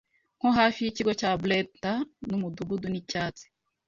Nko hafi yikigo cya Brenta numudugudu nicyatsi